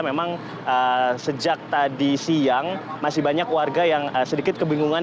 memang sejak tadi siang masih banyak warga yang sedikit kebingungan